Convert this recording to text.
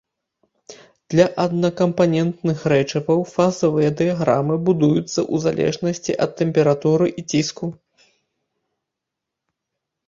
Для аднакампанентных рэчываў фазавыя дыяграмы будуюцца ў залежнасці ад тэмпературы і ціску.